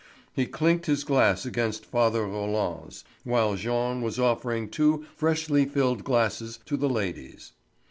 He clinked his glass against father Roland's, while Jean was offering two freshly filled glasses to the ladies.